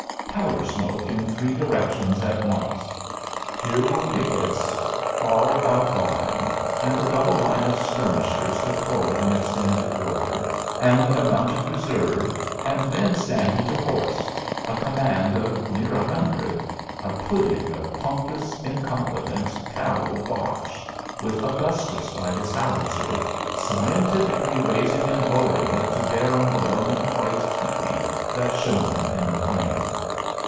Powder smoke in three directions at once! Here were pickets far out lying, and a double line of skirmishers deployed in extended order, and a mounted reserve, and men standing to horse a command of near a hundred, a pudding of pompous, incompetent, callow bosh, with Augustus by his howitzer, scientifically raising and lowering it to bear on the lone white tepee that shone in the plain.